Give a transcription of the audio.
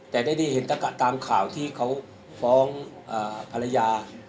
แต่ได้เห็นตามข่าวที่เขาฟ้องภรรยา